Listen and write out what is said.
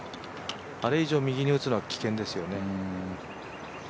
あれ以上右に打つのは危険ですよね。